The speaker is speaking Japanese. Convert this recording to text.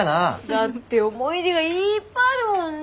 だって思い出がいっぱいあるもん。ね。